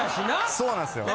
そうなんですよ。